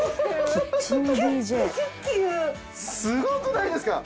すごくないですか？